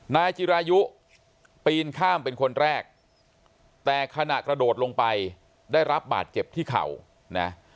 นายจิรายุปีนข้ามเป็นคนแรกแต่ขณะกระโดดลงไปได้รับบาดเจ็บที่เข่านะ